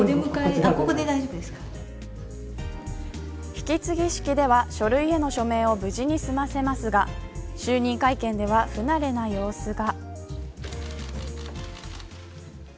引き継ぎ式では書類への署名を無事に済ませますが就任会見では不慣れな様子が。